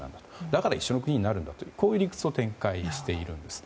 だから一緒の国になるんだという理屈を展開しているんです。